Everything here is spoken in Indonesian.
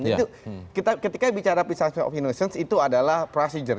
jadi itu kita ketika bicara prosedur itu adalah prosedur